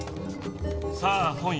さあ本よ。